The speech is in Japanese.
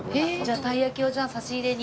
じゃあたいやきを差し入れに。